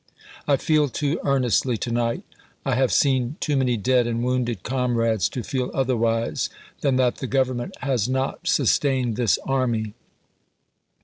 I feel too earnestly to night ; I have seen too many dead and wounded comrades to feel otherwise than that the Government has not sustained this army.